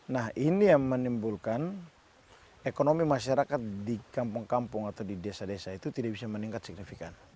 nah ini yang menimbulkan ekonomi masyarakat di kampung kampung atau di desa desa itu tidak bisa meningkat signifikan